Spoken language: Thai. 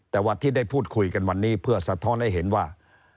แต่ว่าที่ได้พูดคุยกันวันนี้เพื่อสะท้อนให้เห็นว่า